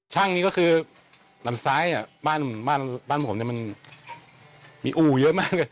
ช่างนี้ก็คือลำซ้ายบ้านผมมันมีอู่เยอะมากเลย